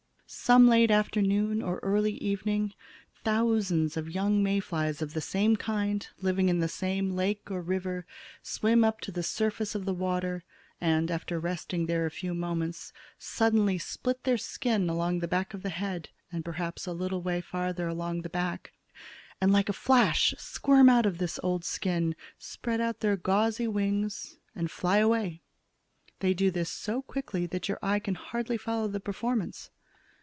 Some late afternoon or early evening thousands of young May flies of the same kind, living in the same lake or river, swim up to the surface of the water, and, after resting there a few moments, suddenly split their skin along the back of the head and perhaps a little way farther along the back, and like a flash squirm out of this old skin, spread out their gauzy wings and fly away. They do this so quickly that your eye can hardly follow the performance."